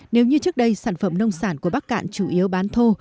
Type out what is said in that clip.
nếu như trước đây sản phẩm nông sản của bắc cạn chủ yếu bán thô